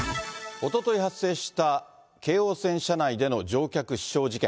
おととい発生した京王線車内での乗客死傷事件。